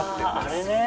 あれね！